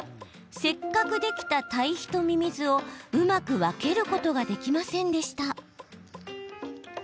せっかくできた堆肥とミミズをうまく分けることができませんでした。